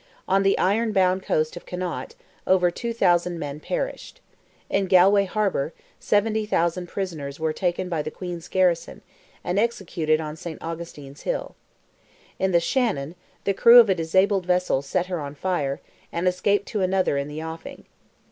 On the iron bound coast of Connaught, over 2,000 men perished. In Galway harbour, 70 prisoners were taken by the Queen's garrison, and executed on St. Augustine's hill. In the Shannon, the crew of a disabled vessel set her on fire, and escaped to another in the offing.